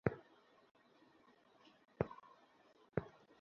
এবার কী হবে?